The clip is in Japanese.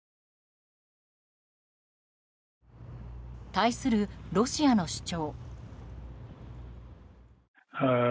対するロシアの主張。